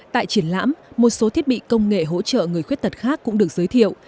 tại triển lãm một số thiết bị công nghệ hỗ trợ người khuyết tật khác cũng được giới thiệu